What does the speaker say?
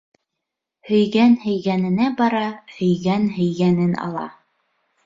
Һөйгән һөйгәненә бара, һөйгән һөйгәнен ала.